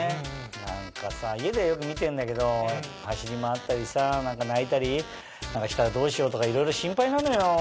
何かさぁ家ではよく見てんだけど走り回ったりさ泣いたりしたらどうしようとかいろいろ心配なのよ。